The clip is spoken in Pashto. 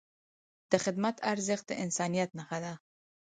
د خدمت ارزښت د انسانیت نښه ده.